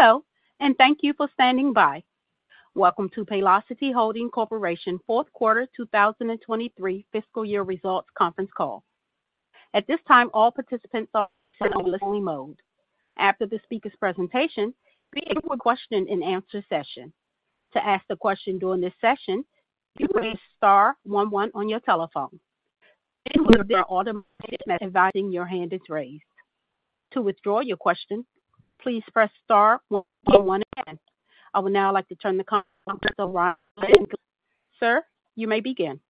Hello, and thank you for standing by. Welcome to Paylocity Holding Corporation Fourth Quarter 2023 Fiscal Year Results Conference Call. At this time, all participants are in only mode. After the speaker's presentation, we will question and answer session. To ask the question during this session, you press star one one on your telephone. There are automatic advising your hand is raised. To withdraw your question, please press star one again. I would now like to turn the conference over to Ryan. Sir, you may begin.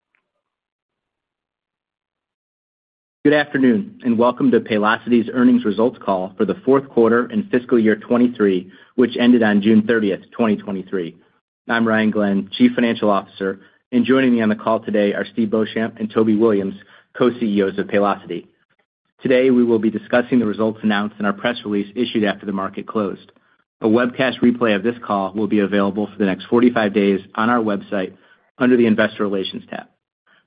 Good afternoon, welcome to Paylocity's earnings results call for the fourth quarter and fiscal year 2023, which ended on June 30th, 2023. I'm Ryan Glenn, Chief Financial Officer, joining me on the call today are Steve Beauchamp and Toby Williams, Co-CEOs of Paylocity. Today, we will be discussing the results announced in our press release issued after the market closed. A webcast replay of this call will be available for the next 45 days on our website under the Investor Relations tab.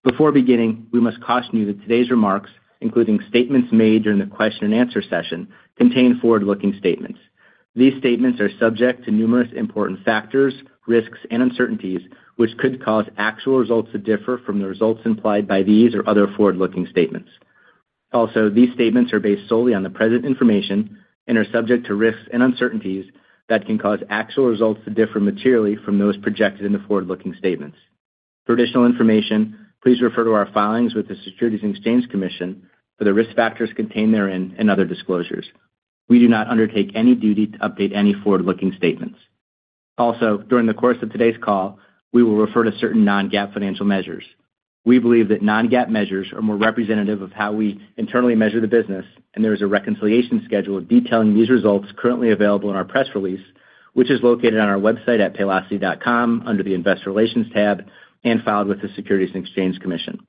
Before beginning, we must caution you that today's remarks, including statements made during the question and answer session, contain forward-looking statements. These statements are subject to numerous important factors, risks, and uncertainties, which could cause actual results to differ from the results implied by these or other forward-looking statements. These statements are based solely on the present information and are subject to risks and uncertainties that can cause actual results to differ materially from those projected in the forward-looking statements. For additional information, please refer to our filings with the Securities and Exchange Commission for the risk factors contained therein and other disclosures. We do not undertake any duty to update any forward-looking statements. During the course of today's call, we will refer to certain non-GAAP financial measures. We believe that non-GAAP measures are more representative of how we internally measure the business, and there is a reconciliation schedule detailing these results currently available in our press release, which is located on our website at paylocity.com under the Investor Relations tab and filed with the Securities and Exchange Commission.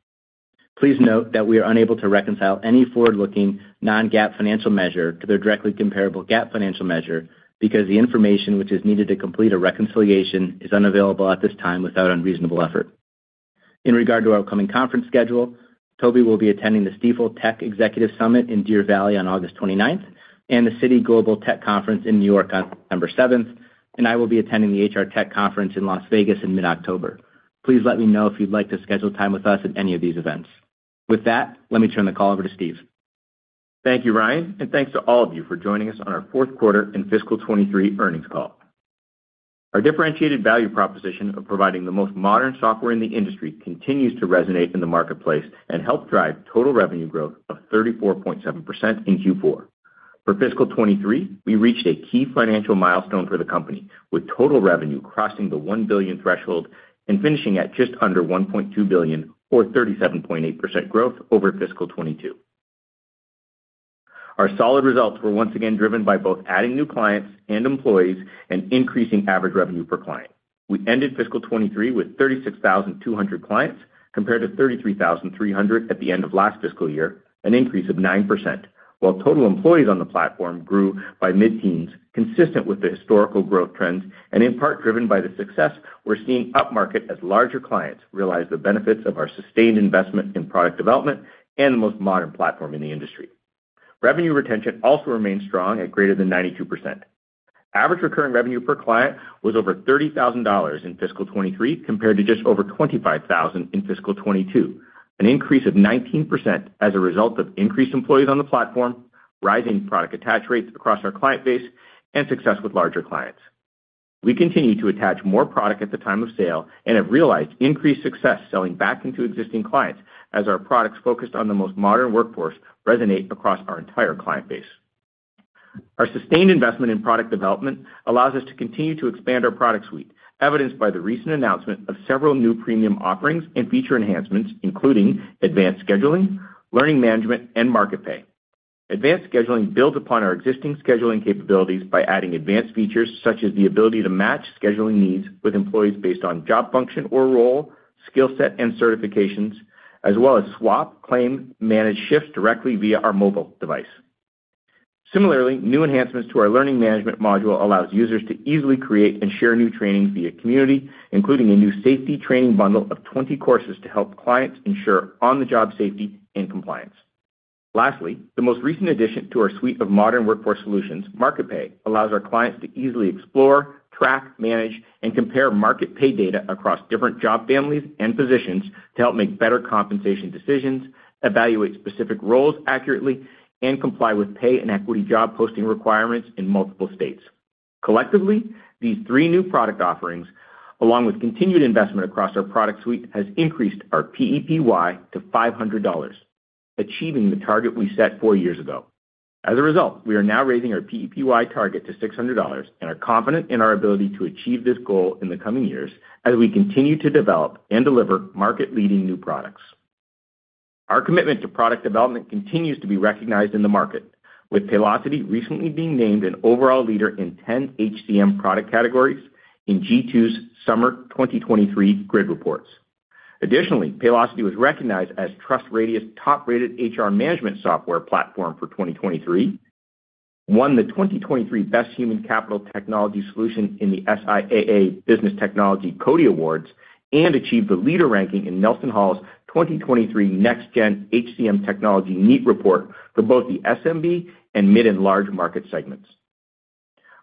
Please note that we are unable to reconcile any forward-looking non-GAAP financial measure to their directly comparable GAAP financial measure, because the information which is needed to complete a reconciliation is unavailable at this time without unreasonable effort. In regard to our upcoming conference schedule, Toby will be attending the Stifel Technology Executive Summit in Deer Valley on August 29th and the Citi Global Technology Conference in New York on September 7th, and I will be attending the HR Tech Conference in Las Vegas in mid-October. Please let me know if you'd like to schedule time with us at any of these events. With that, let me turn the call over to Steve. Thank you, Ryan, and thanks to all of you for joining us on our fourth quarter and fiscal 2023 earnings call. Our differentiated value proposition of providing the most modern software in the industry continues to resonate in the marketplace and help drive total revenue growth of 34.7% in Q4. For fiscal 2023, we reached a key financial milestone for the company, with total revenue crossing the $1 billion threshold and finishing at just under $1.2 billion or 37.8% growth over fiscal 2022. Our solid results were once again driven by both adding new clients and employees and increasing average revenue per client. We ended fiscal 2023 with 36,200 clients, compared to 33,300 at the end of last fiscal year, an increase of 9%, while total employees on the platform grew by mid-teens, consistent with the historical growth trends and in part driven by the success we're seeing upmarket as larger clients realize the benefits of our sustained investment in product development and the most modern platform in the industry. Revenue retention also remains strong at greater than 92%. Average recurring revenue per client was over $30,000 in fiscal 2023, compared to just over $25,000 in fiscal 2022, an increase of 19% as a result of increased employees on the platform, rising product attach rates across our client base, and success with larger clients. We continue to attach more product at the time of sale and have realized increased success selling back into existing clients as our products focused on the most modern workforce resonate across our entire client base. Our sustained investment in product development allows us to continue to expand our product suite, evidenced by the recent announcement of several new premium offerings and feature enhancements, including Advanced Scheduling, Learning Management, and Market Pay. Advanced Scheduling builds upon our existing scheduling capabilities by adding advanced features, such as the ability to match scheduling needs with employees based on job function or role, skill set, and certifications, as well as swap, claim, manage shifts directly via our mobile device. Similarly, new enhancements to our Learning Management module allows users to easily create and share new trainings via Community, including a new safety training bundle of 20 courses to help clients ensure on-the-job safety and compliance. Lastly, the most recent addition to our suite of modern workforce solutions, Market Pay, allows our clients to easily explore, track, manage, and compare market pay data across different job families and positions to help make better compensation decisions, evaluate specific roles accurately, and comply with pay and equity job posting requirements in multiple states. Collectively, these three new product offerings, along with continued investment across our product suite, has increased our PEPY to $500, achieving the target we set four years ago. As a result, we are now raising our PEPY target to $600 and are confident in our ability to achieve this goal in the coming years as we continue to develop and deliver market-leading new products. Our commitment to product development continues to be recognized in the market, with Paylocity recently being named an overall leader in 10 HCM product categories in G2's Summer 2023 Grid Reports. Paylocity was recognized as TrustRadius' top-rated HR management software platform for 2023, won the 2023 Best Human Capital Technology Solution in the SIIA Business Technology CODiE Awards, and achieved the leader ranking in NelsonHall's 2023 NextGen HCM Technology NEAT Report for both the SMB and mid and large market segments....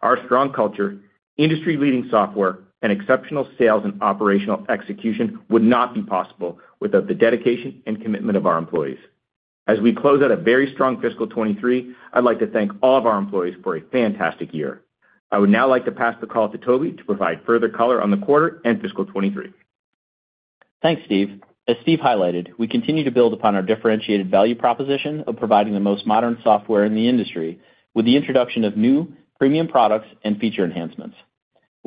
Our strong culture, industry-leading software, and exceptional sales and operational execution would not be possible without the dedication and commitment of our employees. As we close out a very strong fiscal 2023, I'd like to thank all of our employees for a fantastic year. I would now like to pass the call to Toby to provide further color on the quarter and fiscal 2023. Thanks, Steve. As Steve highlighted, we continue to build upon our differentiated value proposition of providing the most modern software in the industry, with the introduction of new premium products and feature enhancements.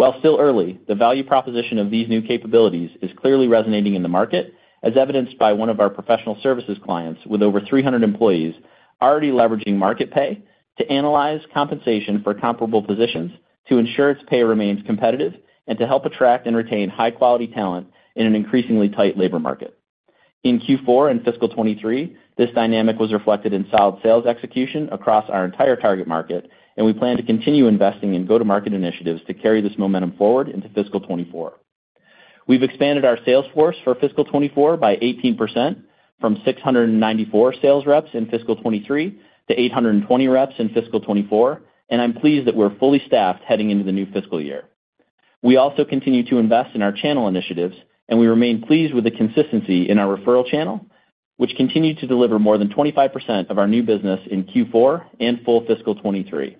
While still early, the value proposition of these new capabilities is clearly resonating in the market, as evidenced by one of our professional services clients, with over 300 employees, already leveraging Market Pay to analyze compensation for comparable positions, to ensure its pay remains competitive, and to help attract and retain high-quality talent in an increasingly tight labor market. In Q4 and fiscal 2023, this dynamic was reflected in solid sales execution across our entire target market. We plan to continue investing in go-to-market initiatives to carry this momentum forward into fiscal 2024. We've expanded our sales force for fiscal 2024 by 18%, from 694 sales reps in fiscal 2023 to 820 reps in fiscal 2024. I'm pleased that we're fully staffed heading into the new fiscal year. We also continue to invest in our channel initiatives. We remain pleased with the consistency in our referral channel, which continued to deliver more than 25% of our new business in Q4 and full fiscal 2023.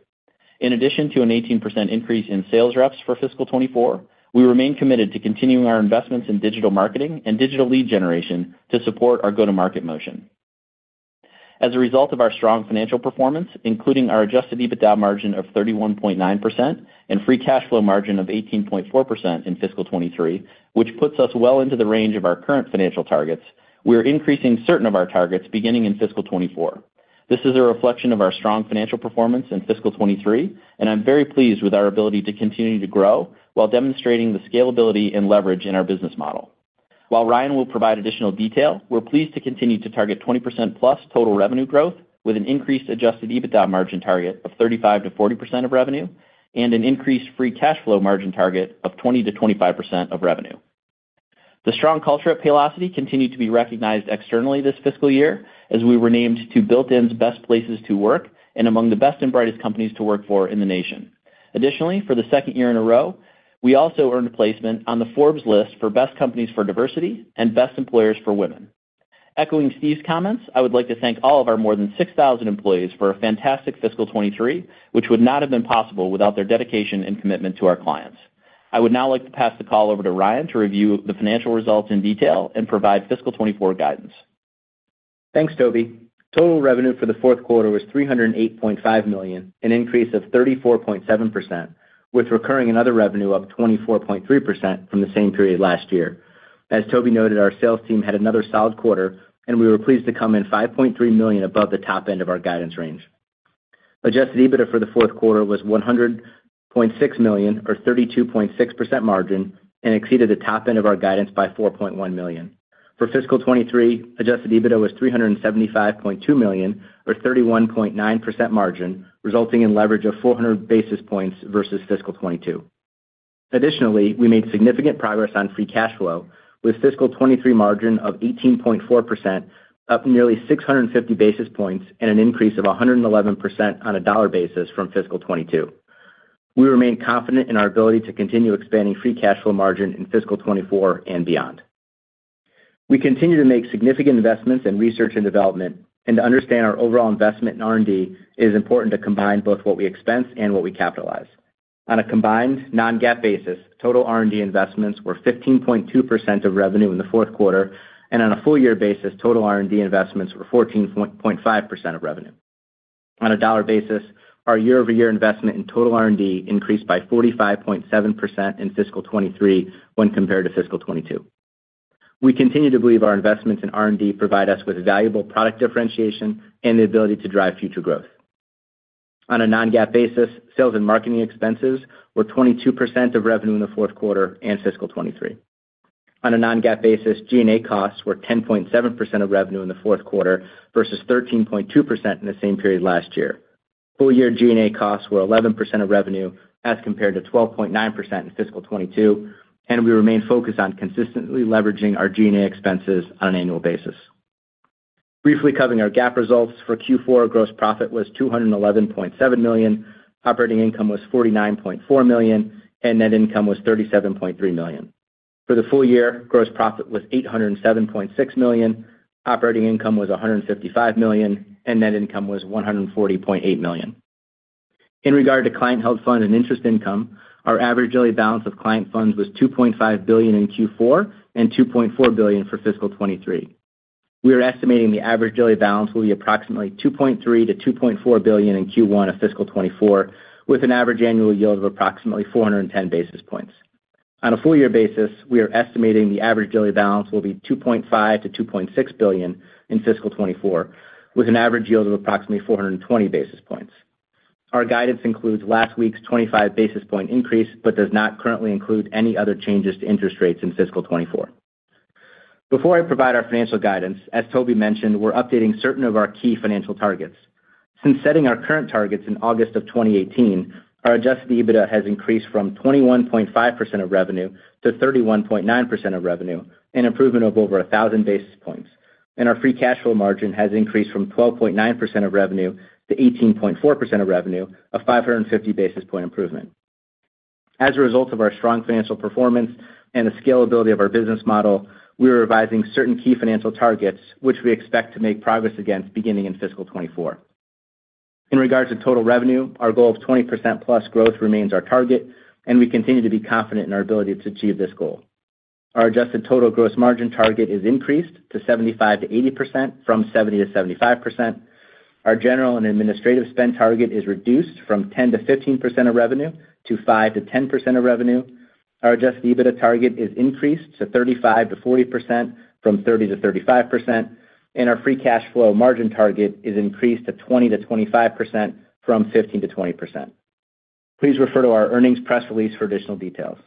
In addition to an 18% increase in sales reps for fiscal 2024, we remain committed to continuing our investments in digital marketing and digital lead generation to support our go-to-market motion. As a result of our strong financial performance, including our adjusted EBITDA margin of 31.9% and free cash flow margin of 18.4% in fiscal 2023, which puts us well into the range of our current financial targets, we are increasing certain of our targets beginning in fiscal 2024. This is a reflection of our strong financial performance in fiscal 2023, and I'm very pleased with our ability to continue to grow while demonstrating the scalability and leverage in our business model. While Ryan will provide additional detail, we're pleased to continue to target 20%+ total revenue growth with an increased adjusted EBITDA margin target of 35%-40% of revenue, and an increased free cash flow margin target of 20%-25% of revenue. The strong culture at Paylocity continued to be recognized externally this fiscal year, as we were named to Built In's Best Places to Work and among the best and brightest companies to work for in the nation. Additionally, for the second year in a row, we also earned a placement on the Forbes list for Best Companies for Diversity and Best Employers for Women. Echoing Steve's comments, I would like to thank all of our more than 6,000 employees for a fantastic fiscal 2023, which would not have been possible without their dedication and commitment to our clients. I would now like to pass the call over to Ryan to review the financial results in detail and provide fiscal 2024 guidance. Thanks, Toby. Total revenue for the fourth quarter was $308.5 million, an increase of 34.7%, with recurring and other revenue up 24.3% from the same period last year. As Toby noted, our sales team had another solid quarter, we were pleased to come in $5.3 million above the top end of our guidance range. Adjusted EBITDA for the fourth quarter was $100.6 million, or 32.6% margin, exceeded the top end of our guidance by $4.1 million. For fiscal 2023, adjusted EBITDA was $375.2 million, or 31.9% margin, resulting in leverage of 400 basis points versus fiscal 2022. Additionally, we made significant progress on free cash flow, with fiscal 2023 margin of 18.4%, up nearly 650 basis points and an increase of 111% on a dollar basis from fiscal 2022. We remain confident in our ability to continue expanding free cash flow margin in fiscal 2024 and beyond. We continue to make significant investments in research and development. To understand our overall investment in R&D, it is important to combine both what we expense and what we capitalize. On a combined non-GAAP basis, total R&D investments were 15.2% of revenue in the fourth quarter. On a full year basis, total R&D investments were 14.5% of revenue. On a dollar basis, our year-over-year investment in total R&D increased by 45.7% in fiscal 2023 when compared to fiscal 2022. We continue to believe our investments in R&D provide us with valuable product differentiation and the ability to drive future growth. On a non-GAAP basis, sales and marketing expenses were 22% of revenue in the fourth quarter and fiscal 2023. On a non-GAAP basis, G&A costs were 10.7% of revenue in the fourth quarter versus 13.2% in the same period last year. Full year G&A costs were 11% of revenue, as compared to 12.9% in fiscal 2022. We remain focused on consistently leveraging our G&A expenses on an annual basis. Briefly covering our GAAP results, for Q4, gross profit was $211.7 million, operating income was $49.4 million, and net income was $37.3 million. For the full year, gross profit was $807.6 million, operating income was $155 million, net income was $140.8 million. In regard to client-held fund and interest income, our average daily balance of client funds was $2.5 billion in Q4 and $2.4 billion for fiscal 2023. We are estimating the average daily balance will be approximately $2.3 billion-$2.4 billion in Q1 of fiscal 2024, with an average annual yield of approximately 410 basis points. On a full year basis, we are estimating the average daily balance will be $2.5 billion-$2.6 billion in fiscal 2024, with an average yield of approximately 420 basis points. Our guidance includes last week's 25-basis-point increase, but does not currently include any other changes to interest rates in fiscal 2024. Before I provide our financial guidance, as Toby mentioned, we're updating certain of our key financial targets. Since setting our current targets in August of 2018, our adjusted EBITDA has increased from 21.5% of revenue to 31.9% of revenue, an improvement of over 1,000 basis points. Our free cash flow margin has increased from 12.9% of revenue to 18.4% of revenue, a 550-basis-point improvement. As a result of our strong financial performance and the scalability of our business model, we are revising certain key financial targets, which we expect to make progress against beginning in fiscal 2024. In regards to total revenue, our goal of 20%+ growth remains our target. We continue to be confident in our ability to achieve this goal. Our adjusted total gross margin target is increased to 75%-80% from 70%-75%. Our general and administrative spend target is reduced from 10%-15% of revenue to 5%-10% of revenue. Our adjusted EBITDA target is increased to 35%-40% from 30%-35%. Our free cash flow margin target is increased to 20%-25% from 15%-20%. Please refer to our earnings press release for additional details.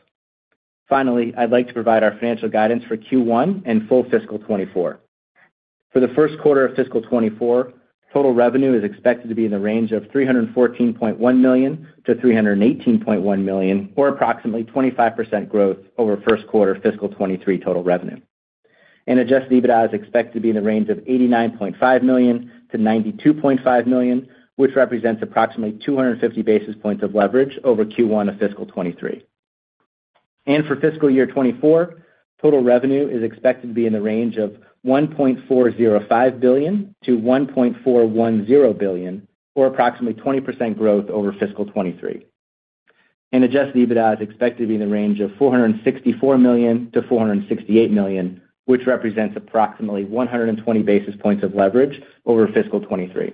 Finally, I'd like to provide our financial guidance for Q1 and full fiscal 2024. For the first quarter of fiscal 2024, total revenue is expected to be in the range of $314.1 million-$318.1 million, or approximately 25% growth over first quarter fiscal 2023 total revenue. Adjusted EBITDA is expected to be in the range of $89.5 million-$92.5 million, which represents approximately 250 basis points of leverage over Q1 of fiscal 2023. For fiscal year 2024, total revenue is expected to be in the range of $1.405 billion-$1.410 billion, or approximately 20% growth over fiscal 2023. Adjusted EBITDA is expected to be in the range of $464 million-$468 million, which represents approximately 120 basis points of leverage over fiscal 2023.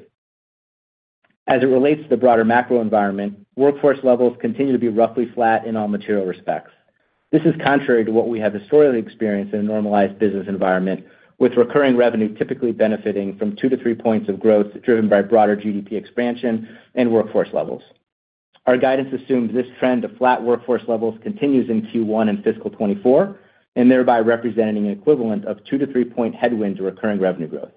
As it relates to the broader macro environment, workforce levels continue to be roughly flat in all material respects. This is contrary to what we have historically experienced in a normalized business environment, with recurring revenue typically benefiting from two-three points of growth, driven by broader GDP expansion and workforce levels. Our guidance assumes this trend of flat workforce levels continues in Q1 and fiscal 2024, and thereby representing an equivalent of 2-3 point headwind to recurring revenue growth.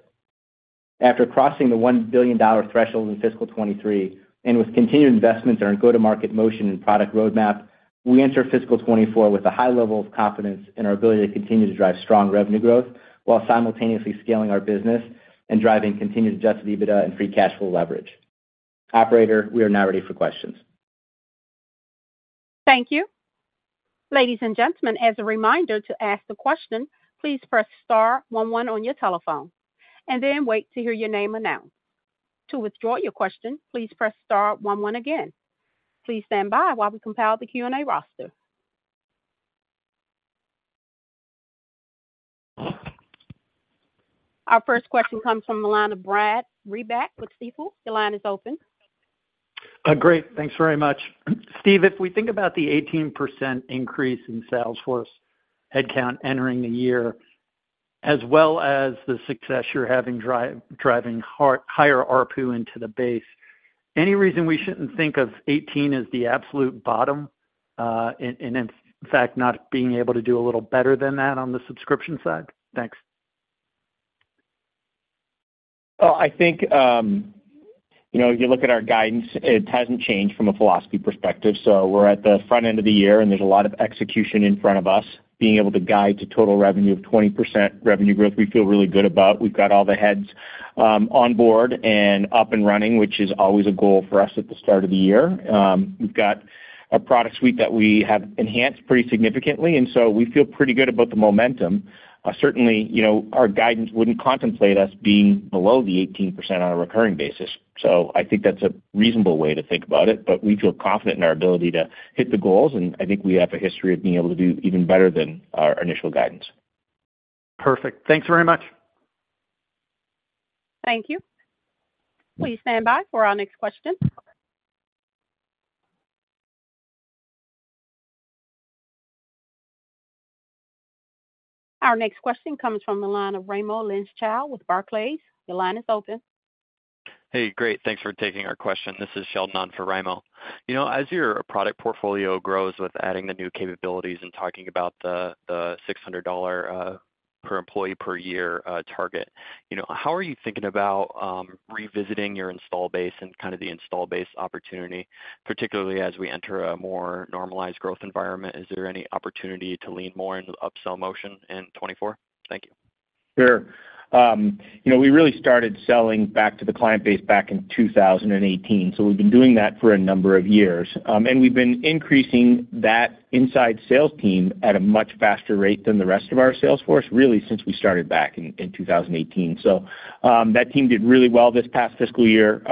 After crossing the $1 billion threshold in fiscal 2023, and with continued investments in our go-to-market motion and product roadmap, we enter fiscal 2024 with a high level of confidence in our ability to continue to drive strong revenue growth, while simultaneously scaling our business and driving continued adjusted EBITDA and free cash flow leverage. Operator, we are now ready for questions. Thank you. Ladies and gentlemen, as a reminder to ask the question, please press star 1 1 on your telephone and then wait to hear your name announced. To withdraw your question, please press star 1 1 again. Please stand by while we compile the Q&A roster. Our first question comes from the line of Brad Reback with Stifel. Your line is open. Great. Thanks very much. Steve, if we think about the 18% increase in sales force headcount entering the year, as well as the success you're having driving higher ARPU into the base, any reason we shouldn't think of 18 as the absolute bottom, and, and in fact, not being able to do a little better than that on the subscription side? Thanks. Well, I think, you know, if you look at our guidance, it hasn't changed from a philosophy perspective. We're at the front end of the year, and there's a lot of execution in front of us. Being able to guide to total revenue of 20% revenue growth, we feel really good about. We've got all the heads on board and up and running, which is always a goal for us at the start of the year. We've got a product suite that we have enhanced pretty significantly, and so we feel pretty good about the momentum. Certainly, you know, our guidance wouldn't contemplate us being below the 18% on a recurring basis. I think that's a reasonable way to think about it. We feel confident in our ability to hit the goals, and I think we have a history of being able to do even better than our initial guidance. Perfect. Thanks very much. Thank you. Please stand by for our next question. Our next question comes from the line of Raimo Lenschow with Barclays. Your line is open. Hey, great. Thanks for taking our question. This is Sheldon on for Raimo. As your product portfolio grows with adding the new capabilities and talking about the $600 per employee per year target, how are you thinking about revisiting your install base and kind of the install base opportunity, particularly as we enter a more normalized growth environment? Is there any opportunity to lean more into upsell motion in 2024? Thank you. Sure. You know, we really started selling back to the client base back in 2018, so we've been doing that for a number of years. We've been increasing that inside sales team at a much faster rate than the rest of our sales force, really, since we started back in 2018. That team did really well this past fiscal year.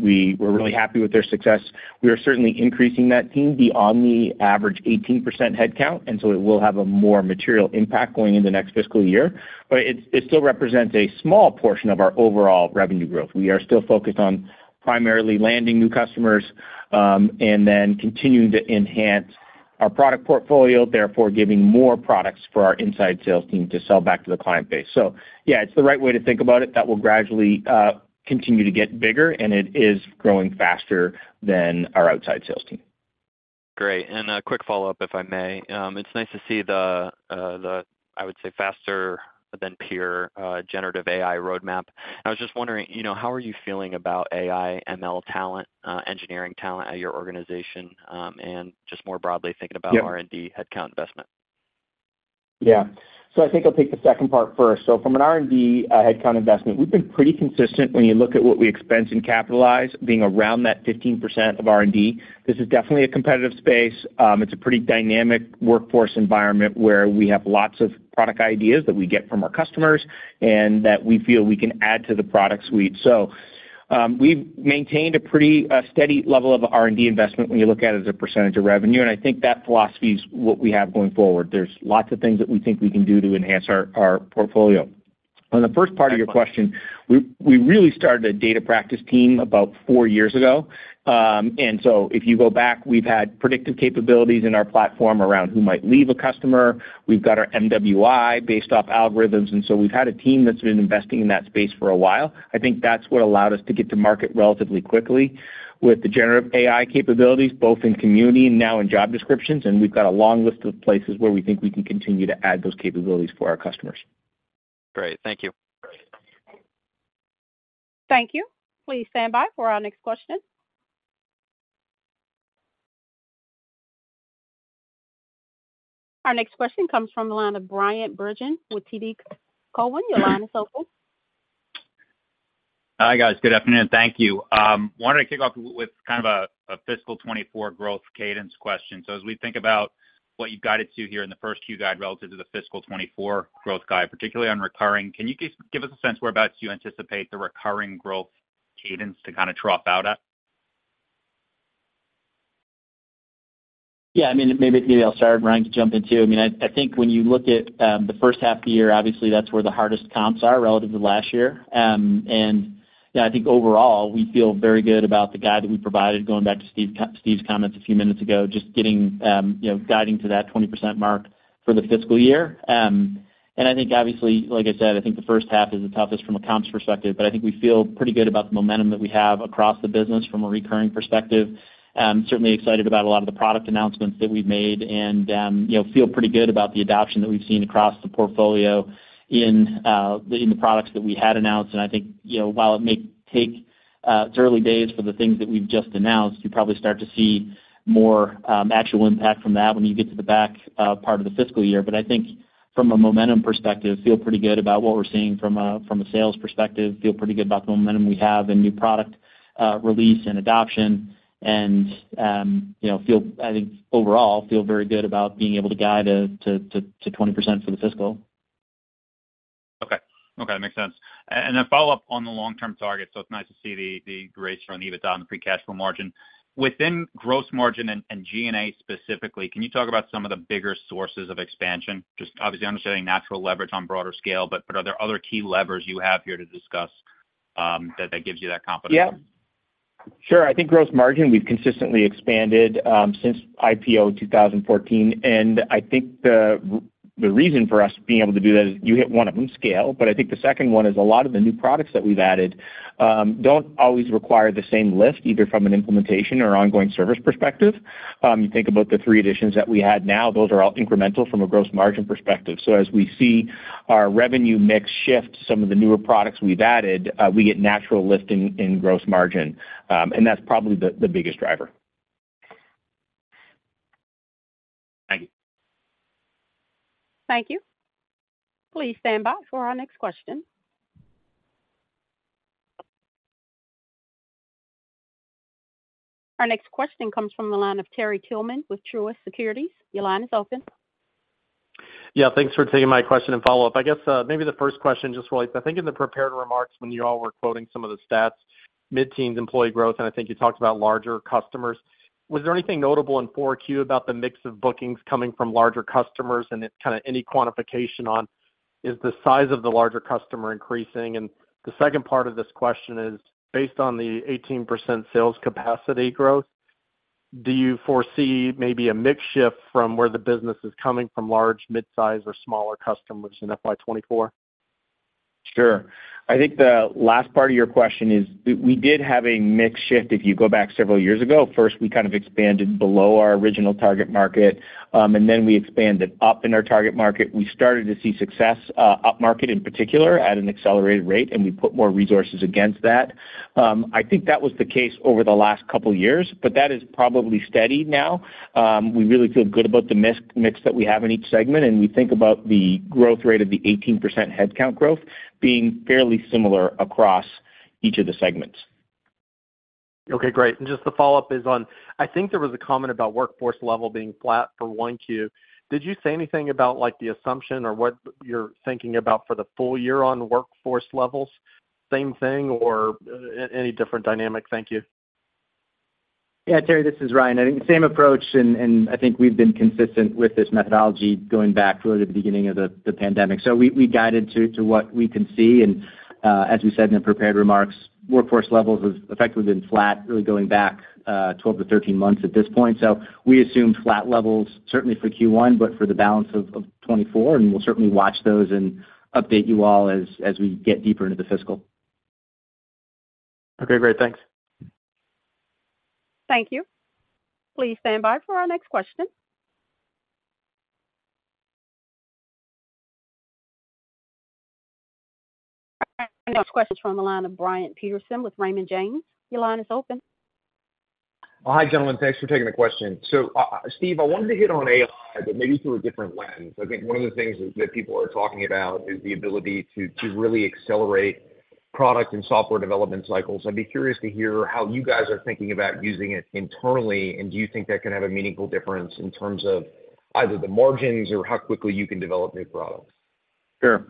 We were really happy with their success. We are certainly increasing that team beyond the average 18% headcount, and so it will have a more material impact going in the next fiscal year. It, it still represents a small portion of our overall revenue growth. We are still focused on primarily landing new customers, and then continuing to enhance our product portfolio, therefore giving more products for our inside sales team to sell back to the client base. Yeah, it's the right way to think about it. That will gradually continue to get bigger, and it is growing faster than our outside sales team. Great. A quick follow-up, if I may. It's nice to see the I would say faster than peer generative AI roadmap. I was just wondering, you know, how are you feeling about AI, ML talent, engineering talent at your organization? And just more broadly, thinking about. Yeah R&D headcount investment? Yeah. So I think I'll take the second part first. From an R&D headcount investment, we've been pretty consistent when you look at what we expense and capitalize, being around that 15% of R&D. This is definitely a competitive space. It's a pretty dynamic workforce environment, where we have lots of product ideas that we get from our customers and that we feel we can add to the product suite. We've maintained a pretty steady level of R&D investment when you look at it as a percentage of revenue, and I think that philosophy is what we have going forward. There's lots of things that we think we can do to enhance our portfolio. On the first part of your question, we really started a data practice team about four years ago. If you go back, we've had predictive capabilities in our platform around who might leave a customer. We've got our MWI based off algorithms, and so we've had a team that's been investing in that space for a while. I think that's what allowed us to get to market relatively quickly with the generative AI capabilities, both in Community and now in job descriptions. We've got a long list of places where we think we can continue to add those capabilities for our customers. Great. Thank you. Thank you. Please stand by for our next question. Our next question comes from the line of Bryan Bergin with TD Cowen. Your line is open. Hi, guys. Good afternoon. Thank you. wanted to kick off with kind of a fiscal 24 growth cadence question. As we think about what you've guided to here in the first Q guide relative to the fiscal 24 growth guide, particularly on recurring, can you give us a sense for whereabouts you anticipate the recurring growth cadence to kind of drop out at? I mean, maybe, maybe I'll start, Bryan, to jump in too. I mean, I, I think when you look at the first half of the year, obviously that's where the hardest comps are relative to last year. I think overall, we feel very good about the guide that we provided, going back to Steve's comments a few minutes ago, just getting, you know, guiding to that 20% mark for the fiscal year. I think obviously, like I said, I think the first half is the toughest from a comps perspective, but I think we feel pretty good about the momentum that we have across the business from a recurring perspective. Certainly excited about a lot of the product announcements that we've made and, you know, feel pretty good about the adoption that we've seen across the portfolio in the products that we had announced. I think, you know, while it may take, it's early days for the things that we've just announced, you probably start to see more actual impact from that when you get to the back part of the fiscal year. I think from a momentum perspective, feel pretty good about what we're seeing from a, from a sales perspective, feel pretty good about the momentum we have in new product release and adoption, and, you know, I think overall, feel very good about being able to guide to, to, to, to 20% for the fiscal. Okay. Okay, makes sense. Follow up on the long-term target, so it's nice to see the, the grace around EBITDA and the free cash flow margin. Within gross margin and, and G&A specifically, can you talk about some of the bigger sources of expansion? Just obviously, I'm understanding natural leverage on broader scale, but are there other key levers you have here to discuss that, that gives you that confidence? Yeah. Sure. I think gross margin, we've consistently expanded, since IPO in 2014. I think the reason for us being able to do that is you hit one of them, scale, but I think the second one is a lot of the new products that we've added, don't always require the same lift, either from an implementation or ongoing service perspective. You think about the three additions that we had now, those are all incremental from a gross margin perspective. As we see our revenue mix shift, some of the newer products we've added, we get natural lift in, in gross margin, and that's probably the, the biggest driver. Thank you. Thank you. Please stand by for our next question. Our next question comes from the line of Terry Tillman with Truist Securities. Your line is open. Yeah, thanks for taking my question and follow-up. I guess, maybe the first question, just really, I think in the prepared remarks when you all were quoting some of the stats, mid-teen employee growth, and I think you talked about larger customers. Was there anything notable in 4Q about the mix of bookings coming from larger customers, and then kind of any quantification on, is the size of the larger customer increasing? The second part of this question is, based on the 18% sales capacity growth, do you foresee maybe a mix shift from where the business is coming from large, midsize or smaller customers in FY 2024? Sure. I think the last part of your question is we, we did have a mix shift if you go back several years ago. First, we kind of expanded below our original target market, then we expanded up in our target market. We started to see success upmarket in particular, at an accelerated rate. We put more resources against that. I think that was the case over the last couple of years. That is probably steady now. We really feel good about the mix that we have in each segment. We think about the growth rate of the 18% headcount growth being fairly similar across each of the segments. Okay, great. Just the follow-up is on, I think there was a comment about workforce level being flat for 1Q. Did you say anything about, like, the assumption or what you're thinking about for the full year on workforce levels? Same thing or any different dynamic? Thank you. Yeah, Terry Tillman, this is Ryan Glenn. I think the same approach, and I think we've been consistent with this methodology going back really to the beginning of the pandemic. We guided to what we can see, and as we said in the prepared remarks, workforce levels have effectively been flat, really going back 12-13 months at this point. We assumed flat levels, certainly for Q1, but for the balance of 2024, and we'll certainly watch those and update you all as we get deeper into the fiscal. Okay, great. Thanks. Thank you. Please stand by for our next question. Our next question is from the line of Brian Peterson with Raymond James. Your line is open. Hi, gentlemen. Thanks for taking the question. Steve, I wanted to hit on AI, but maybe through a different lens. I think one of the things that, that people are talking about is the ability to, to really accelerate product and software development cycles. I'd be curious to hear how you guys are thinking about using it internally, and do you think that can have a meaningful difference in terms of either the margins or how quickly you can develop new products? Sure.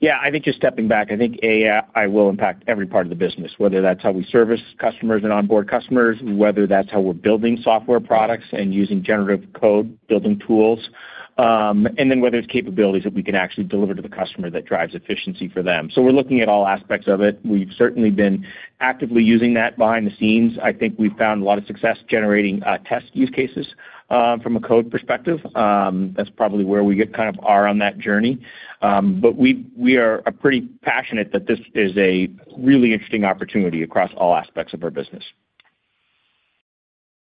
Yeah, I think just stepping back, I think AI will impact every part of the business, whether that's how we service customers and onboard customers, whether that's how we're building software products and using generative code building tools, whether it's capabilities that we can actually deliver to the customer that drives efficiency for them. We're looking at all aspects of it. We've certainly been actively using that behind the scenes. I think we've found a lot of success generating test use cases from a code perspective. That's probably where we get kind of are on that journey. We, we are, are pretty passionate that this is a really interesting opportunity across all aspects of our business.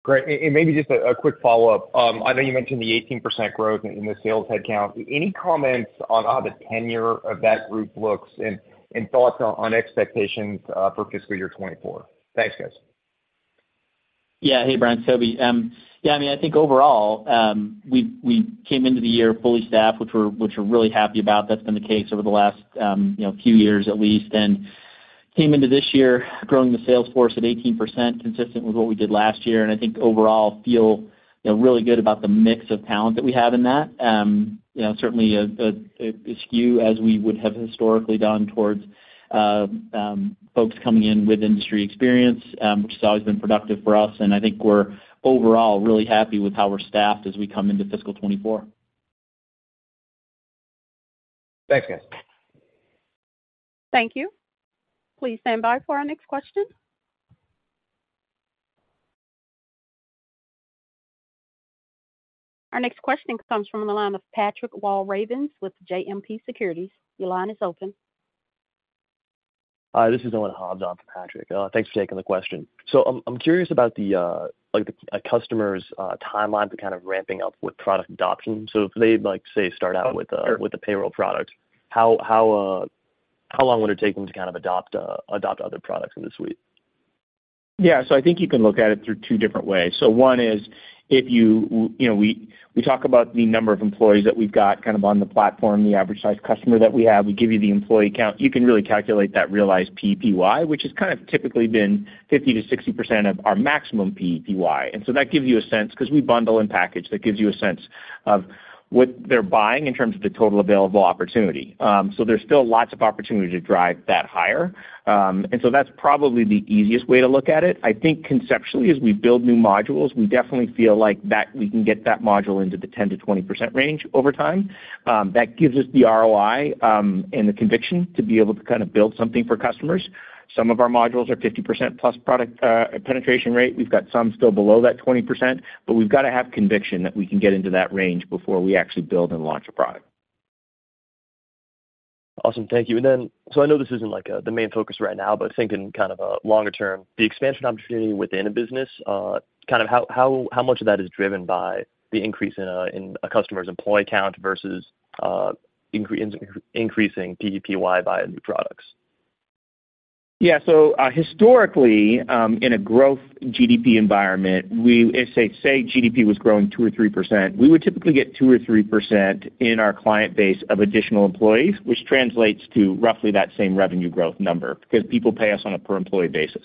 Great. Maybe just a quick follow-up. I know you mentioned the 18% growth in the sales headcount. Any comments on how the tenure of that group looks, and thoughts on expectations for fiscal year 2024? Thanks, guys. Yeah. Hey, Brian, Toby. Yeah, I mean, I think overall, we, we came into the year fully staffed, which we're, which we're really happy about. That's been the case over the last, you know, few years at least, and came into this year growing the sales force at 18%, consistent with what we did last year. I think overall feel, you know, really good about the mix of talent that we have in that. You know, certainly a, a, a skew as we would have historically done towards folks coming in with industry experience, which has always been productive for us. I think we're overall really happy with how we're staffed as we come into fiscal 2024. Thanks, guys. Thank you. Please stand by for our next question. Our next question comes from the line of Patrick Walravens with JMP Securities. Your line is open. Hi, this is Owen Hobbs on for Patrick. Thanks for taking the question. I'm, I'm curious about the, like, the a customer's timeline to kind of ramping up with product adoption. If they'd like, say, start out with, - Sure. With the payroll product, how, how, how long would it take them to kind of adopt, adopt other products in the suite? Yeah, I think you can look at it through 2 different ways. One is, if you, you know, we, we talk about the number of employees that we've got kind of on the platform, the average size customer that we have. We give you the employee count. You can really calculate that realized PEPY, which has kind of typically been 50%-60% of our maximum PEPY. That gives you a sense, 'cause we bundle and package, that gives you a sense of what they're buying in terms of the total available opportunity. There's still lots of opportunity to drive that higher. That's probably the easiest way to look at it. I think conceptually, as we build new modules, we definitely feel like that we can get that module into the 10%-20% range over time. That gives us the ROI and the conviction to be able to kind of build something for customers. Some of our modules are 50% plus product penetration rate. We've got some still below that 20%, but we've got to have conviction that we can get into that range before we actually build and launch a product. Awesome. Thank you. I know this isn't, like, the main focus right now, but thinking kind of longer term, the expansion opportunity within a business, kind of how, how, how much of that is driven by the increase in a customer's employee count versus increasing PEPY via new products? Yeah. Historically, in a growth GDP environment, If, say, say GDP was growing 2% or 3%, we would typically get 2% or 3% in our client base of additional employees, which translates to roughly that same revenue growth number, because people pay us on a per employee basis.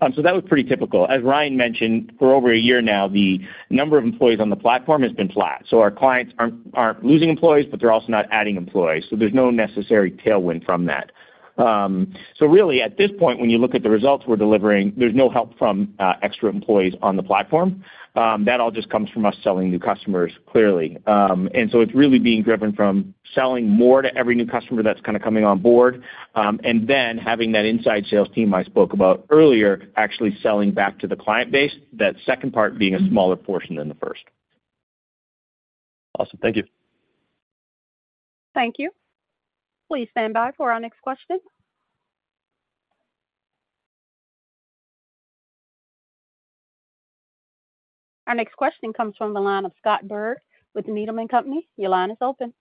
That was pretty typical. As Ryan mentioned, for over a year now, the number of employees on the platform has been flat. Our clients aren't, aren't losing employees, but they're also not adding employees, so there's no necessary tailwind from that. Really, at this point, when you look at the results we're delivering, there's no help from extra employees on the platform. That all just comes from us selling new customers, clearly. It's really being driven from selling more to every new customer that's kind of coming on board, and then having that inside sales team I spoke about earlier, actually selling back to the client base, that second part being a smaller portion than the first. Awesome. Thank you. Thank you. Please stand by for our next question. Our next question comes from the line of Scott Berg with Needham & Company. Your line is open.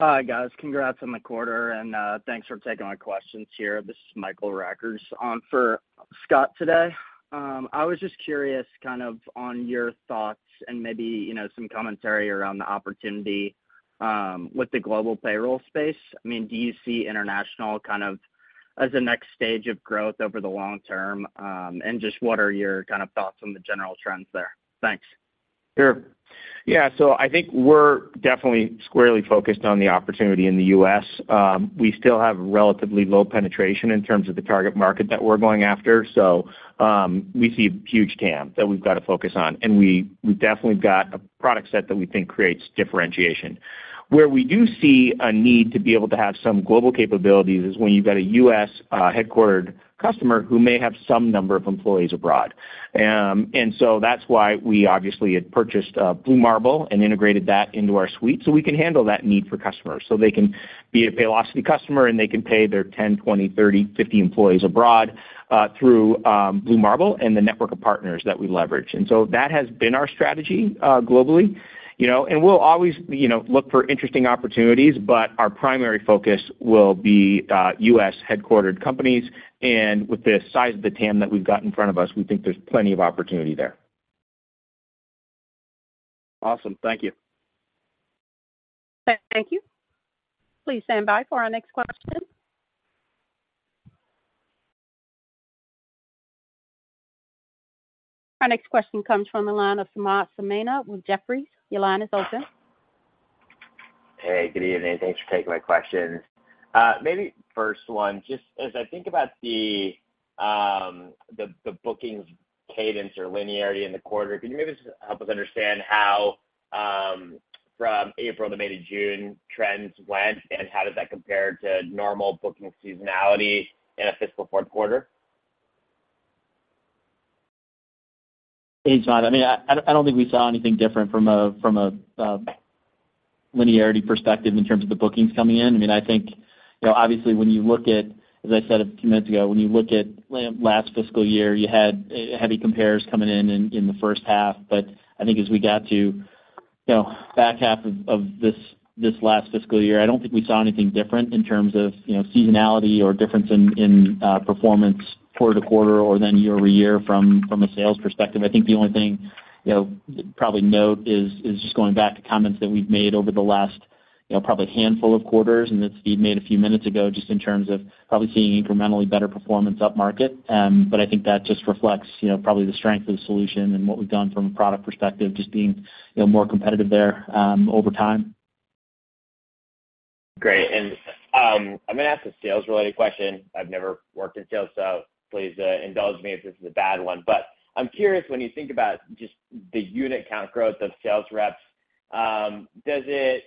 Hi, guys. Congrats on the quarter, and thanks for taking my questions here. This is Michael Rackers on for Scott today. I was just curious, kind of on your thoughts and maybe, you know, some commentary around the opportunity with the global payroll space. I mean, do you see international kind of as a next stage of growth over the long term? Just what are your kind of thoughts on the general trends there? Thanks. Sure. I think we're definitely squarely focused on the opportunity in the U.S. We still have relatively low penetration in terms of the target market that we're going after. We see a huge TAM that we've got to focus on, and we, we've definitely got a product set that we think creates differentiation. Where we do see a need to be able to have some global capabilities is when you've got a U.S. headquartered customer who may have some number of employees abroad. That's why we obviously had purchased Blue Marble and integrated that into our suite, so we can handle that need for customers. They can be a Paylocity customer, and they can pay their 10, 20, 30, 50 employees abroad through Blue Marble and the network of partners that we leverage. So that has been our strategy globally. You know, we'll always, you know, look for interesting opportunities, but our primary focus will be U.S.-headquartered companies, and with the size of the TAM that we've got in front of us, we think there's plenty of opportunity there. Awesome. Thank you. Thank you. Please stand by for our next question. Our next question comes from the line of Samad Samana with Jefferies. Your line is open. Hey, good evening. Thanks for taking my questions. Maybe first one, just as I think about the, the bookings cadence or linearity in the quarter, can you maybe just help us understand how from April to May to June trends went, and how does that compare to normal booking seasonality in a fiscal fourth quarter? Hey, Samad. I mean, I don't think we saw anything different from a linearity perspective in terms of the bookings coming in. I mean, I think, you know, obviously when you look at, as I said a few minutes ago, when you look at last fiscal year, you had heavy compares coming in in the first half. I think as we got to, you know, back half of this last fiscal year, I don't think we saw anything different in terms of, you know, seasonality or difference in performance quarter to quarter, or then year-over-year from a sales perspective. I think the only thing, you know, probably note is, is just going back to comments that we've made over the last, you know, probably handful of quarters, and that Steve made a few minutes ago, just in terms of probably seeing incrementally better performance upmarket. I think that just reflects, you know, probably the strength of the solution and what we've done from a product perspective, just being, you know, more competitive there, over time. Great. I'm gonna ask a sales-related question. I've never worked in sales, so please indulge me if this is a bad one. I'm curious, when you think about just the unit count growth of sales reps, does the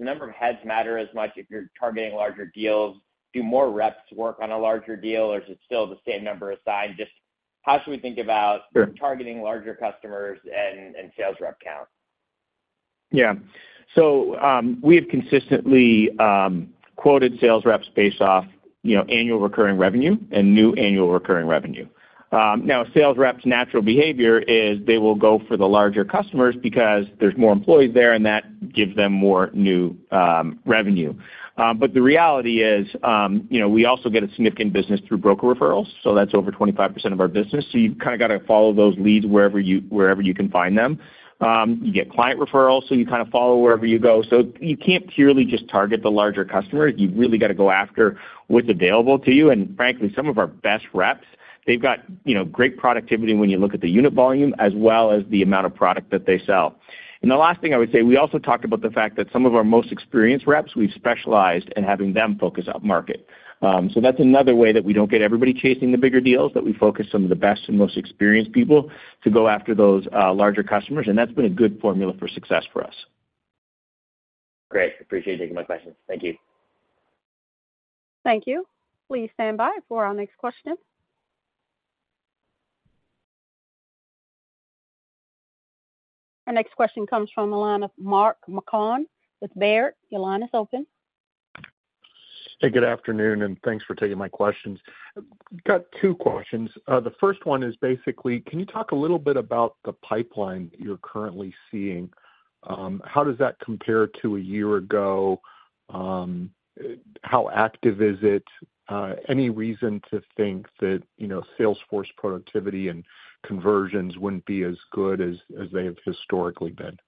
number of heads matter as much if you're targeting larger deals? Do more reps work on a larger deal, or is it still the same number assigned? Just how should we think about- Sure... targeting larger customers and, and sales rep count? Yeah. So, we have consistently quoted sales reps based off, you know, annual recurring revenue and new annual recurring revenue. Now, sales reps' natural behavior is they will go for the larger customers because there's more employees there, and that gives them more new revenue. But the reality is, you know, we also get a significant business through broker referrals, so that's over 25% of our business. You've kind of got to follow those leads wherever you, wherever you can find them. You get client referrals, so you kind of follow wherever you go. You can't purely just target the larger customer. You've really got to go after what's available to you. Frankly, some of our best reps, they've got, you know, great productivity when you look at the unit volume as well as the amount of product that they sell. The last thing I would say, we also talked about the fact that some of our most experienced reps, we've specialized in having them focus upmarket. That's another way that we don't get everybody chasing the bigger deals, but we focus some of the best and most experienced people to go after those larger customers, and that's been a good formula for success for us. Great. Appreciate you taking my question. Thank you. Thank you. Please stand by for our next question. Our next question comes from the line of Mark Marcon with Robert W. Baird. Your line is open. Hey, good afternoon, thanks for taking my questions. Got 2 questions. The 1st one is, basically, can you talk a little bit about the pipeline you're currently seeing? How does that compare to a year ago? How active is it? Any reason to think that, you know, sales force productivity and conversions wouldn't be as good as, as they have historically been?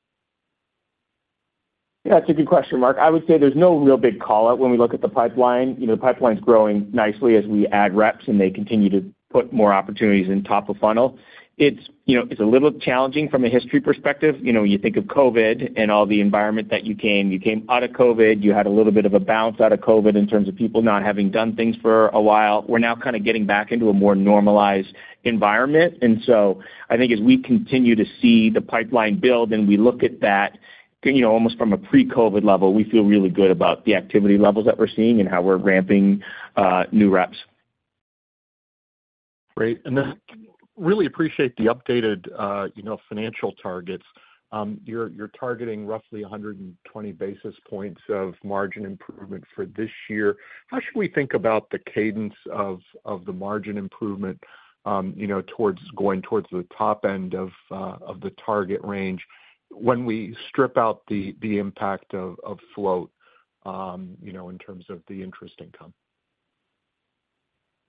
Yeah, that's a good question, Mark. I would say there's no real big call-out when we look at the pipeline. You know, the pipeline's growing nicely as we add reps, and they continue to put more opportunities in top of funnel. It's, you know, it's a little challenging from a history perspective. You know, you think of COVID and all the environment that you came. You came out of COVID. You had a little bit of a bounce out of COVID in terms of people not having done things for a while. We're now kind of getting back into a more normalized environment. I think as we continue to see the pipeline build and we look at that, you know, almost from a pre-COVID level, we feel really good about the activity levels that we're seeing and how we're ramping new reps. Great. Really appreciate the updated, you know, financial targets. You're, you're targeting roughly 120 basis points of margin improvement for this year. How should we think about the cadence of the margin improvement, you know, towards going towards the top end of the target range when we strip out the impact of float, you know, in terms of the interest income?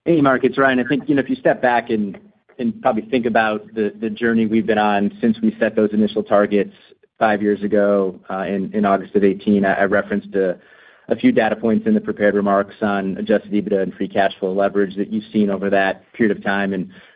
Hey, Mark, it's Ryan. I think, you know, if you step back and probably think about the journey we've been on since we set those initial targets five years ago, in August of 2018, I referenced a few data points in the prepared remarks on adjusted EBITDA and free cash flow leverage that you've seen over that period of time.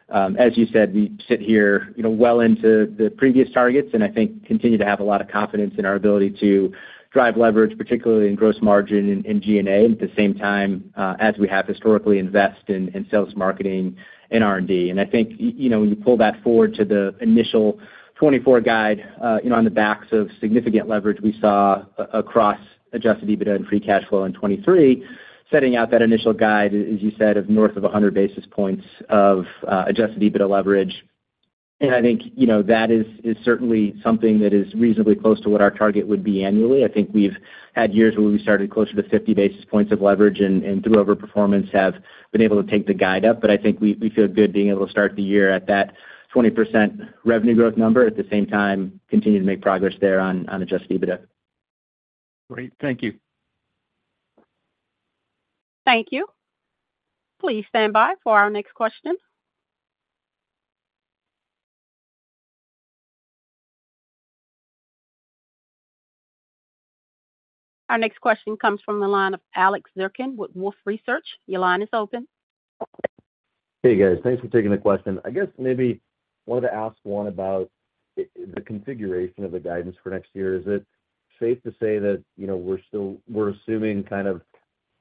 As you said, we sit here, you know, well into the previous targets and I think continue to have a lot of confidence in our ability to drive leverage, particularly in gross margin and G&A, at the same time, as we have historically invest in sales, marketing, and R&D. I think, you know, when you pull that forward to the initial 2024 guide, you know, on the backs of significant leverage we saw across adjusted EBITDA and free cash flow in 2023, setting out that initial guide, as you said, of north of 100 basis points of adjusted EBITDA leverage. I think, you know, that is certainly something that is reasonably close to what our target would be annually. I think we've had years where we started closer to 50 basis points of leverage and through overperformance, have been able to take the guide up. I think we feel good being able to start the year at that 20% revenue growth number, at the same time, continue to make progress there on adjusted EBITDA. Great. Thank you. Thank you. Please stand by for our next question. Our next question comes from the line of Alex Zukin with Wolfe Research. Your line is open. Hey, guys. Thanks for taking the question. I guess maybe wanted to ask one about the configuration of the guidance for next year. Is it safe to say that, you know, we're still-- we're assuming kind of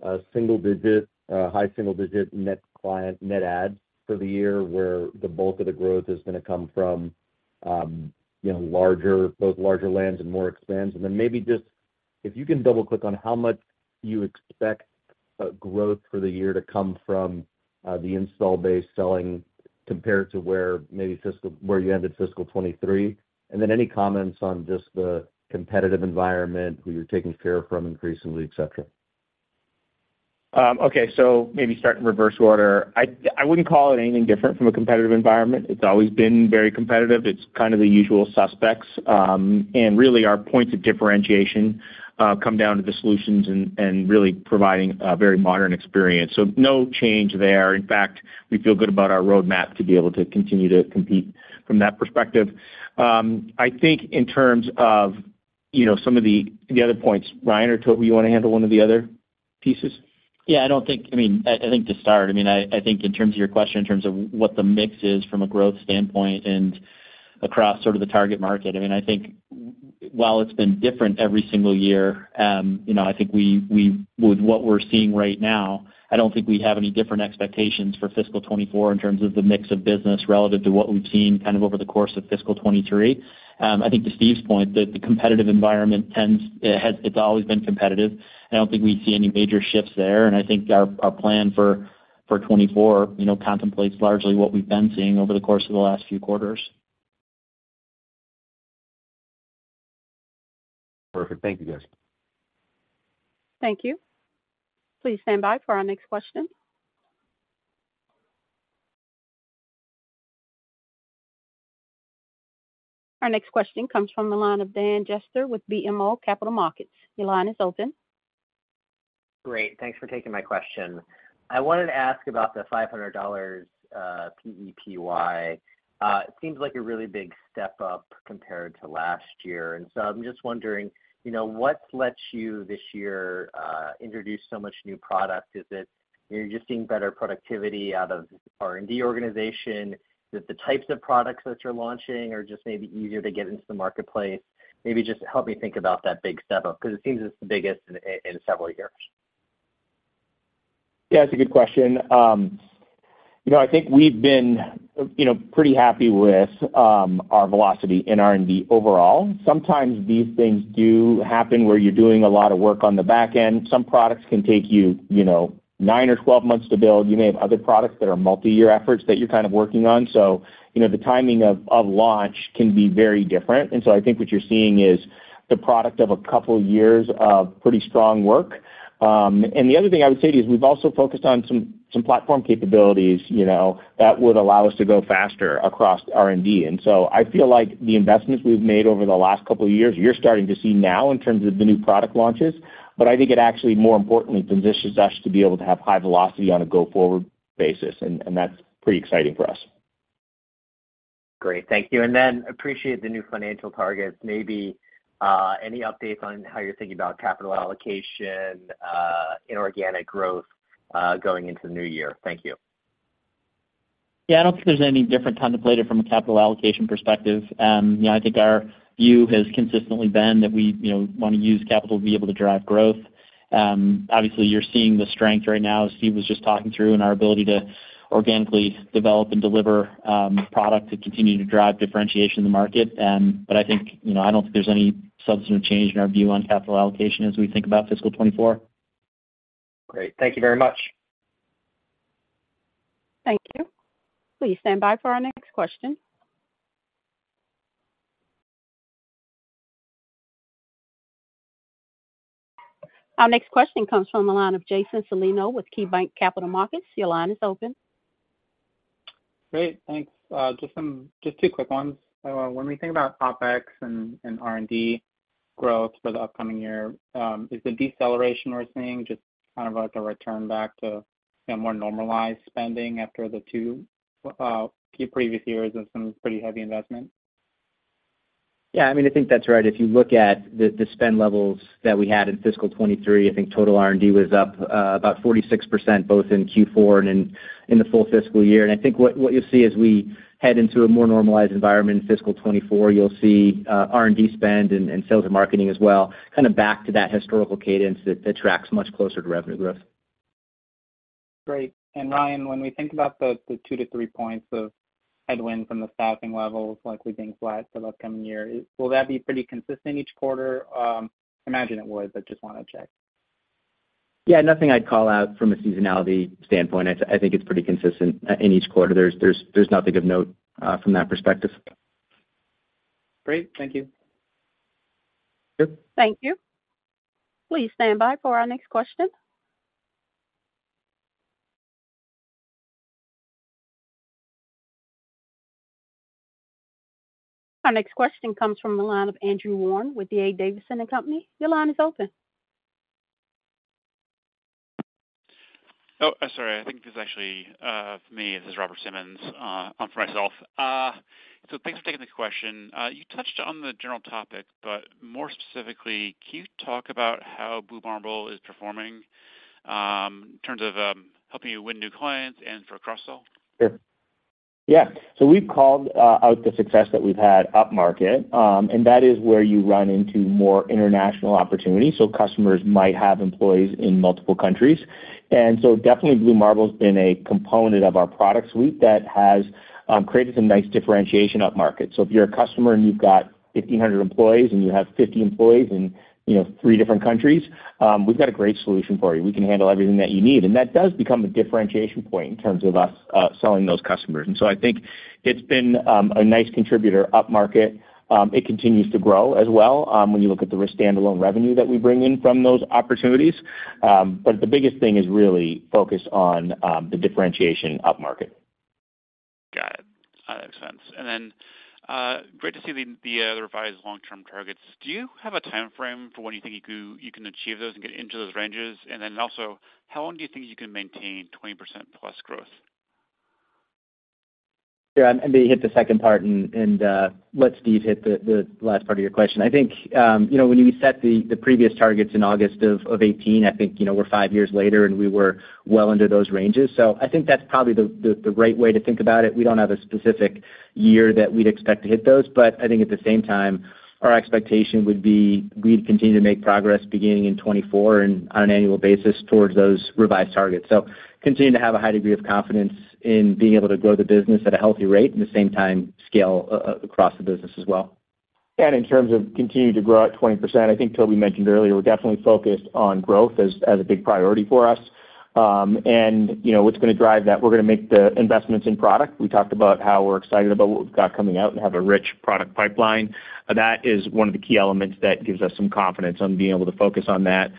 a single digit, high single digit net client, net adds for the year, where the bulk of the growth is gonna come from, you know, larger, both larger lands and more expands? Then maybe just if you can double-click on how much you expect growth for the year to come from the install base selling compared to where maybe fiscal, where you ended fiscal 2023. Then any comments on just the competitive environment, who you're taking share from increasingly, et cetera? Okay, so maybe start in reverse order. I, I wouldn't call it anything different from a competitive environment. It's always been very competitive. It's kind of the usual suspects. And really, our points of differentiation come down to the solutions and really providing a very modern experience. No change there. In fact, we feel good about our roadmap to be able to continue to compete from that perspective. I think in terms of, you know, some of the other points, Ryan or Toby, you want to handle one or the other pieces? Yeah, I don't think I mean, I, I think to start, I mean, I, I think in terms of your question, in terms of what the mix is from a growth standpoint and across sort of the target market, I mean, I think while it's been different every single year, you know, I think we, we, with what we're seeing right now, I don't think we have any different expectations for fiscal 2024 in terms of the mix of business relative to what we've seen kind of over the course of fiscal 2023. I think to Steve's point, that the competitive environment tends, it has-- it's always been competitive, and I don't think we see any major shifts there. I think our, our plan for, for 2024, you know, contemplates largely what we've been seeing over the course of the last few quarters. Perfect. Thank you, guys. Thank you. Please stand by for our next question. Our next question comes from the line of Dan Jester with BMO Capital Markets. Your line is open. Great, thanks for taking my question. I wanted to ask about the $500 PEPY. It seems like a really big step up compared to last year, and so I'm just wondering, you know, what's lets you this year introduce so much new product? Is it you're just seeing better productivity out of R&D organization? That the types of products that you're launching are just maybe easier to get into the marketplace? Maybe just help me think about that big step up, because it seems it's the biggest in, in several years. Yeah, it's a good question. You know, I think we've been, you know, pretty happy with our velocity in R&D overall. Sometimes these things do happen where you're doing a lot of work on the back end. Some products can take you, you know, nine or 12 months to build. You may have other products that are multiyear efforts that you're kind of working on. You know, the timing of, of launch can be very different. I think what you're seeing is the product of a couple years of pretty strong work. The other thing I would say is we've also focused on some, some platform capabilities, you know, that would allow us to go faster across R&D. I feel like the investments we've made over the last couple of years, you're starting to see now in terms of the new product launches. I think it actually, more importantly, positions us to be able to have high velocity on a go-forward basis, and, and that's pretty exciting for us. Great. Thank you. Then appreciate the new financial targets. Maybe any updates on how you're thinking about capital allocation, inorganic growth, going into the new year? Thank you. Yeah, I don't think there's any different contemplated from a capital allocation perspective. you know, I think our view has consistently been that we, you know, want to use capital to be able to drive growth. obviously, you're seeing the strength right now, as Steve was just talking through, and our ability to organically develop and deliver, product to continue to drive differentiation in the market. I think, you know, I don't think there's any substantive change in our view on capital allocation as we think about fiscal 2024. Great. Thank you very much. Thank you. Please stand by for our next question. Our next question comes from the line of Jason Celino with KeyBanc Capital Markets. Your line is open. Great, thanks. Just some, just two quick ones. When we think about OpEx and R&D growth for the upcoming year, is the deceleration we're seeing just kind of like a return back to a more normalized spending after the two, few previous years of some pretty heavy investment? Yeah, I mean, I think that's right. If you look at the, the spend levels that we had in fiscal 2023, I think total R&D was up, about 46%, both in Q4 and in, in the full fiscal year. I think what, what you'll see as we head into a more normalized environment in fiscal 2024, you'll see R&D spend and, and sales and marketing as well, kind of back to that historical cadence that, that tracks much closer to revenue growth. Great. Ryan, when we think about the, the two-three points of headwind from the staffing levels, like we being flat for the upcoming year, will that be pretty consistent each quarter? I imagine it would, but just want to check. Yeah, nothing I'd call out from a seasonality standpoint. I, I think it's pretty consistent in each quarter. There's, there's, there's nothing of note from that perspective. Great. Thank you. Yep. Thank you. Please stand by for our next question.... Our next question comes from the line of Andrew Nowinski with the D.A. Davidson & Co.. Your line is open. Oh, sorry, I think this is actually me. This is Robert Simmons for myself. Thanks for taking this question. You touched on the general topic, but more specifically, can you talk about how Blue Marble is performing, in terms of helping you win new clients and for cross-sell? Sure. Yeah, we've called out the success that we've had upmarket, and that is where you run into more international opportunities. Customers might have employees in multiple countries. Definitely, Blue Marble's been a component of our product suite that has created some nice differentiation upmarket. If you're a customer, and you've got 1,500 employees, and you have 50 employees in, you know, three different countries, we've got a great solution for you. We can handle everything that you need, and that does become a differentiation point in terms of us selling those customers. I think it's been a nice contributor upmarket. It continues to grow as well, when you look at the risk standalone revenue that we bring in from those opportunities. The biggest thing is really focused on, the differentiation upmarket. Got it. That makes sense. Then, great to see the, the, the revised long-term targets. Do you have a timeframe for when you think you can, you can achieve those and get into those ranges? Then also, how long do you think you can maintain 20%+ growth? Yeah, I'm going to hit the second part and, and let Steve hit the, the last part of your question. I think, you know, when you set the, the previous targets in August of 2018, I think, you know, we're five years later, and we were well under those ranges. I think that's probably the, the, the right way to think about it. We don't have a specific year that we'd expect to hit those, but I think at the same time, our expectation would be, we'd continue to make progress beginning in 2024 and on an annual basis towards those revised targets. Continue to have a high degree of confidence in being able to grow the business at a healthy rate, at the same time, scale across the business as well. In terms of continuing to grow at 20%, I think Toby mentioned earlier, we're definitely focused on growth as, as a big priority for us. You know, what's going to drive that? We're going to make the investments in product. We talked about how we're excited about what we've got coming out and have a rich product pipeline. That is one of the key elements that gives us some confidence on being able to focus on that.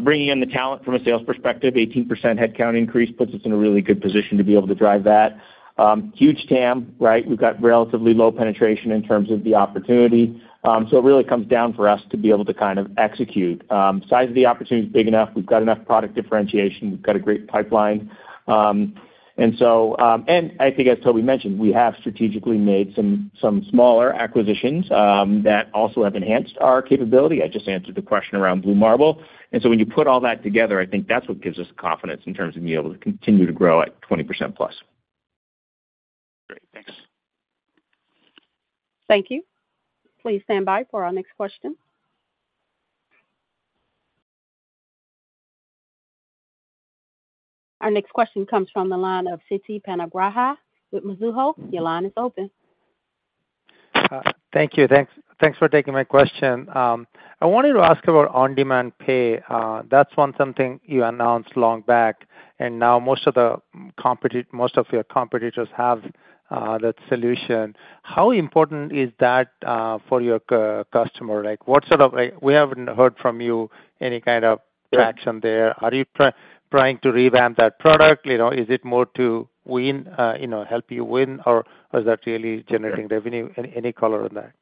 Bringing in the talent from a sales perspective, 18% headcount increase, puts us in a really good position to be able to drive that. Huge TAM, right? We've got relatively low penetration in terms of the opportunity. It really comes down for us to be able to kind of execute. Size of the opportunity is big enough. We've got enough product differentiation. We've got a great pipeline. I think as Toby mentioned, we have strategically made some, some smaller acquisitions, that also have enhanced our capability. I just answered the question around Blue Marble. When you put all that together, I think that's what gives us confidence in terms of being able to continue to grow at 20% plus. Great. Thanks. Thank you. Please stand by for our next question. Our next question comes from the line of Siti Panigrahi with Mizuho. Your line is open. Thank you. Thanks, thanks for taking my question. I wanted to ask about On Demand Pay. That's one something you announced long back, and now most of the competi- most of your competitors have that solution. How important is that for your cu- customer? Like, what sort of, like, we haven't heard from you any kind of traction there? Are you try- trying to revamp that product? You know, is it more to win, you know, help you win, or is that really generating revenue? Any, any color on that?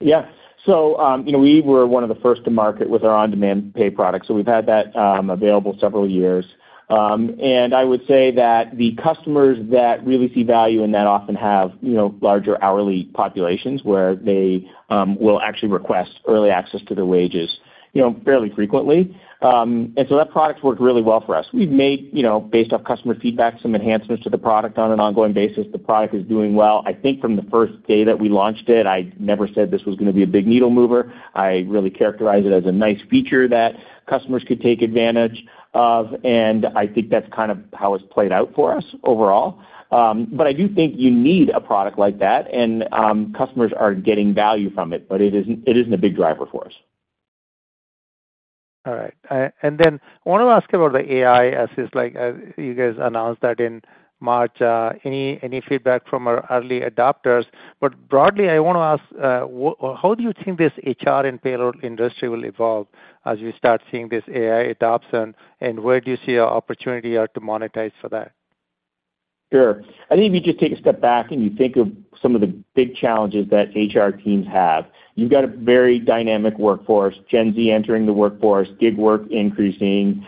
Yeah. You know, we were one of the first to market with our On Demand Pay product, so we've had that available several years. I would say that the customers that really see value in that often have, you know, larger hourly populations, where they will actually request early access to their wages, you know, fairly frequently. That product's worked really well for us. We've made, you know, based off customer feedback, some enhancements to the product on an ongoing basis. The product is doing well. I think from the first day that we launched it, I never said this was going to be a big needle mover. I really characterize it as a nice feature that customers could take advantage of, and I think that's kind of how it's played out for us overall. I do think you need a product like that, and customers are getting value from it, but it isn't, it isn't a big driver for us. All right. Then I want to ask about the AI, as is, you guys announced that in March. Any, any feedback from our early adopters? Broadly, I want to ask, how do you think this HR and payroll industry will evolve as you start seeing this AI adoption, and where do you see your opportunity are to monetize for that? Sure. I think if you just take a step back and you think of some of the big challenges that HR teams have, you've got a very dynamic workforce, Gen Z entering the workforce, gig work increasing,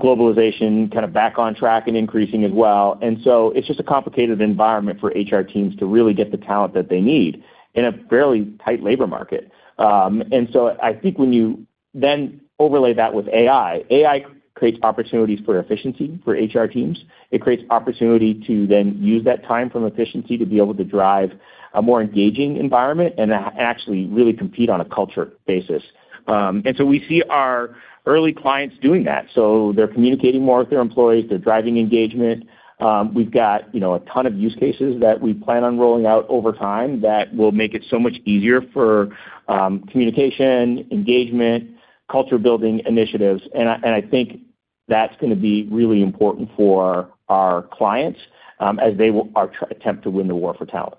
globalization kind of back on track and increasing as well. It's just a complicated environment for HR teams to really get the talent that they need in a fairly tight labor market. I think when you then overlay that with AI, AI creates opportunities for efficiency for HR teams. It creates opportunity to then use that time from efficiency to be able to drive a more engaging environment and actually really compete on a culture basis. We see our early clients doing that. They're communicating more with their employees, they're driving engagement. We've got, you know, a ton of use cases that we plan on rolling out over time that will make it so much easier for communication, engagement, culture building initiatives. I, and I think that's going to be really important for our clients, as they will... attempt to win the war for talent.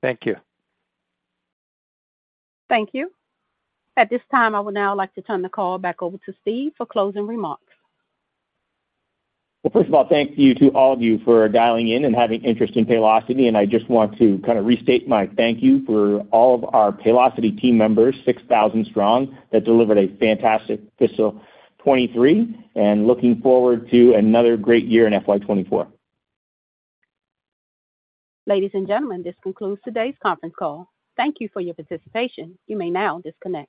Thank you. Thank you. At this time, I would now like to turn the call back over to Steve for closing remarks. Well, first of all, thank you to all of you for dialing in and having interest in Paylocity, and I just want to kind of restate my thank you for all of our Paylocity team members, 6,000 strong, that delivered a fantastic fiscal 2023, and looking forward to another great year in FY 2024. Ladies and gentlemen, this concludes today's conference call. Thank you for your participation. You may now disconnect.